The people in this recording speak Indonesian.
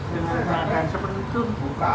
dengan keadaan seperti itu